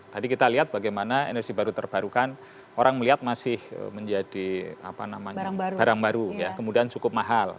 tadi kita lihat bagaimana energi baru terbarukan orang melihat masih menjadi barang baru ya kemudian cukup mahal